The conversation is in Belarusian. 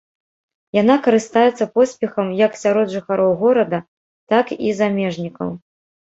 Яна карыстаецца поспехам як сярод жыхароў горада, так і замежнікаў.